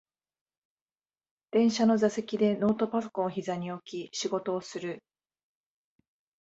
電車の座席でノートパソコンをひざに置き仕事をする